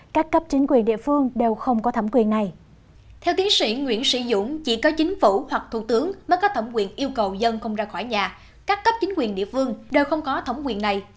các cấp chính quyền địa phương đều không có thẩm quyền này